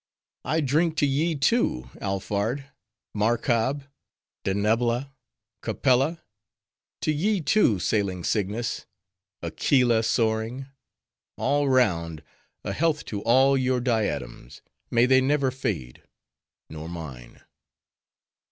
I drink to ye, too, Alphard! Markab! Denebola! Capella!—to ye, too, sailing Cygnus! Aquila soaring!—All round, a health to all your diadems! May they never fade! nor mine!"